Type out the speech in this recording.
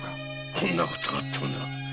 こんなことがあってはならん。